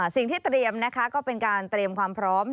สิ่งที่เตรียมนะคะก็เป็นการเตรียมความพร้อม